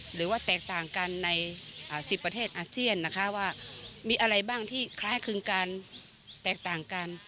หรือว่าแตกต่างกันใน๑๐ประเทศอาเซียนนะคะว่ามีอะไรบ้างที่คล้ายคลึงกันแตกต่างกัน